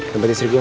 tempat istri gue